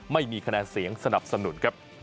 ไม่มีคะแนนเสียงสนับสนุนครับ